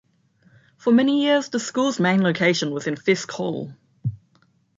For many years the school's main location was in Fisk Hall.